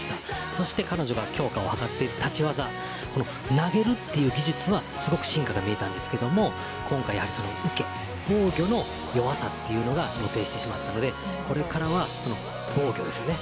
そして彼女が強化を図っている立ち技投げるという技術はすごく進化が見えましたが今回、受け防御の弱さというのが露呈してしまったのでこれからは防御です。